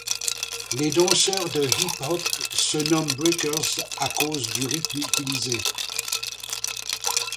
Les danseurs de Hip-Hop se nomment breakers à cause du rythme utilisé.